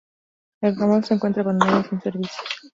El ramal se encuentra abandonado y sin servicios.